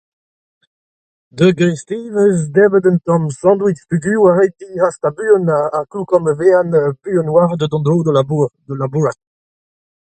Da greisteiz neuze 'm eus debret un tamm sandwich peogwir oa ret din hastañ buan ha klukañ ma merenn buan a-walc'h da dont dro da labourat. da labourat.